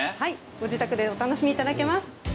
ご自宅でお楽しみいただけます。